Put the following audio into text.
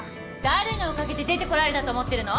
誰のおかげで出てこられたと思ってるの？